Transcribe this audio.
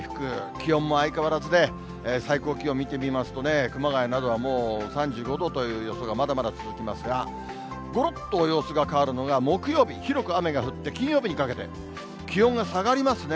気温も相変わらずね、最高気温見てみますとね、熊谷などはもう３５度という予想がまだまだ続きますが、ころっと様子が変わるのが、木曜日、広く雨が降って、金曜日にかけて気温が下がりますね。